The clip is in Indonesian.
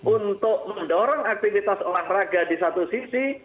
untuk mendorong aktivitas olahraga di satu sisi